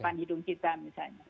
di depan hidung kita misalnya